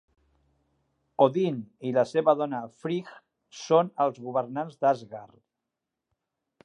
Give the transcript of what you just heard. Odin i la seva dona, Frigg, són els governants d'Asgard.